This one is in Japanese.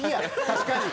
確かに。